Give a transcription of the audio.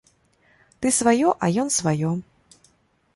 Ты сваё, а ён сваё.